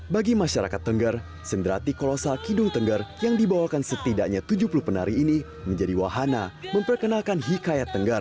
bagi masyarakat tengger senderati kolosal kidung tengger yang dibawakan setidaknya tujuh puluh penari ini menjadi wahana memperkenalkan hikayat tengger